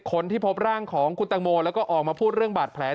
คนที่พบร่างของคุณตังโมแล้วก็ออกมาพูดเรื่องบาดแผล